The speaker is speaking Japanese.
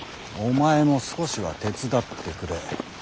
お前も少しは手伝ってくれ。